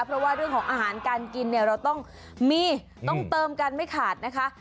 เพราะว่าเรื่องของอาหารการกินเนี่ยเราต้องมีต้องเติมกันไม่ขาดนะคะ